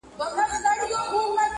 نه په داړو کي یې زور سته د څیرلو -